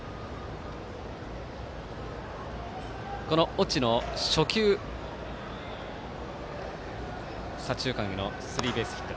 越智の初球左中間へのスリーベースヒット。